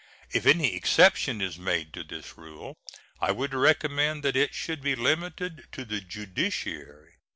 If any exception is made to this rule, I would recommend that it should be limited to the judiciary.